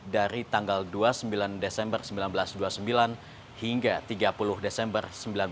dari tanggal dua puluh sembilan desember seribu sembilan ratus dua puluh sembilan hingga tiga puluh desember seribu sembilan ratus empat puluh